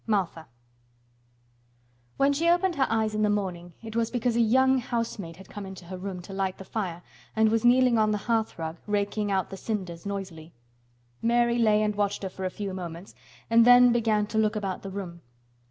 MARTHA When she opened her eyes in the morning it was because a young housemaid had come into her room to light the fire and was kneeling on the hearth rug raking out the cinders noisily. Mary lay and watched her for a few moments and then began to look about the room.